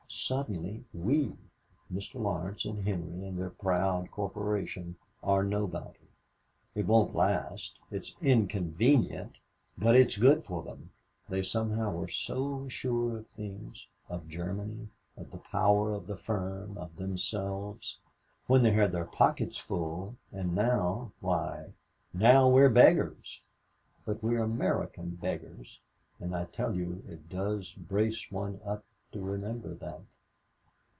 Suddenly we, Mr. Laurence and Henry and their proud corporation, are nobody. It won't last. It's inconvenient, but it's good for them. They somehow were so sure of things of Germany, of the power of the firm, of themselves when they had their pockets full and now why, now we're beggars! But we're American beggars and I tell you it does brace one up to remember that.